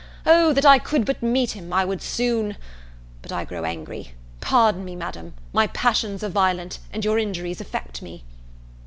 O that I could but meet him, I would soon But I grow angry: pardon me, Madam, my passions are violent, and your injuries affect me!"